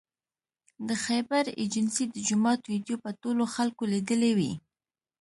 د خیبر ایجنسۍ د جومات ویدیو به ټولو خلکو لیدلې وي